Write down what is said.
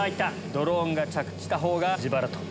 ドローンが着地した方が自腹。